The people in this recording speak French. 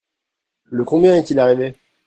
Le combien est-il arrivé ?